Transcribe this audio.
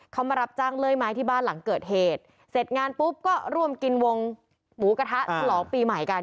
เขามารับจ้างเลื่อยไม้ที่บ้านหลังเกิดเหตุเสร็จงานปุ๊บก็ร่วมกินวงหมูกระทะฉลองปีใหม่กัน